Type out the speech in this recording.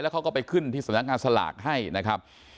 เขาก็ไปขึ้นที่สำนักงานสลากให้นะครับ